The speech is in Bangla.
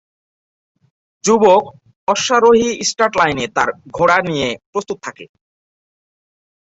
যুবক অশ্বারোহী স্টার্ট লাইনে তার ঘোড়া নিয়ে প্রস্তুত থাকে।